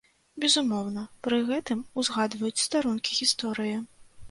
Безумоўна, пры гэтым узгадваюць старонкі гісторыі.